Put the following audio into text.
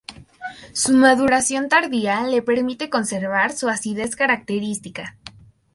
Su maduración tardía le permite conservar su acidez característica.